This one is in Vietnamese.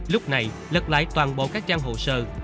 lúc này lật lại toàn bộ các trang hồ sơ